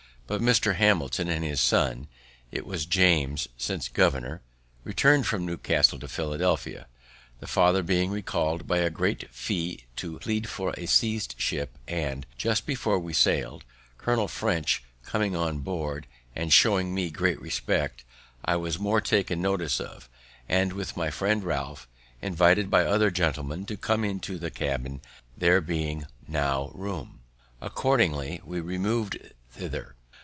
But Mr. Hamilton and his son (it was James, since governor) return'd from Newcastle to Philadelphia, the father being recall'd by a great fee to plead for a seized ship; and, just before we sail'd, Colonel French coming on board, and showing me great respect, I was more taken notice of, and, with my friend Ralph, invited by the other gentlemen to come into the cabin, there being now room. Accordingly, we remov'd thither.